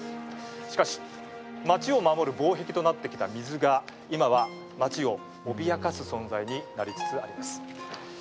しかし、街を守る防壁となっていた水が今は、街を脅かす存在になりつつあります。